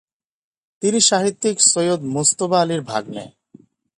তিনি সাহিত্যিক সৈয়দ মুজতবা আলীর ভাগ্নে।